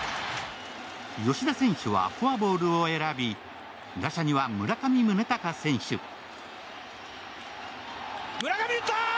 吉田選手はフォアボールを選び打者には村上宗隆選手村上打ったー！